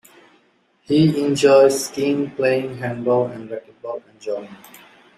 He enjoys skiing, playing handball and racquetball, and jogging.